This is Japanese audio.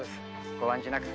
ご案じなく。